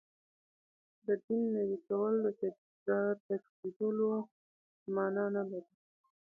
د دین نوی کول د تجدیدولو معنا نه لري.